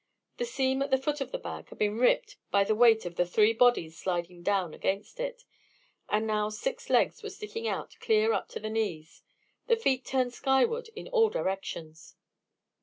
The seam at the foot of the bag had been ripped by the weight of the three bodies sliding down against it, and now six legs were sticking out clear up to the knees, the feet turned skyward in all directions.